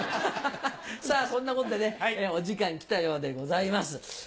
さぁそんなことでねお時間来たようでございます。